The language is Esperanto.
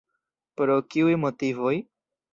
Pro kiuj motivoj?